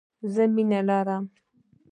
زه مینه لرم.